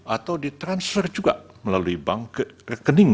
atau ditransfer juga melalui bank rekening